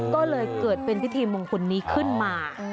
ก็เลยเกิดเป็นพิธีมงคลนี้ขึ้นมา